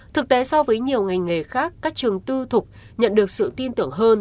thực tế so với nhiều ngành nghề khác các trường tư thục nhận được sự tin tưởng hơn